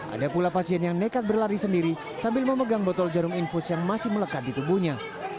ada pula pasien yang nekat berlari sendiri sambil memegang botol jarum infus yang masih melekat di tubuhnya